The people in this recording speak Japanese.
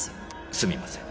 すみません。